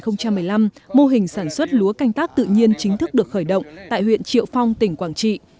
năm hai nghìn một mươi năm mô hình sản xuất lúa canh tác tự nhiên chính thức được khởi động tại huyện triệu phong tỉnh quảng trị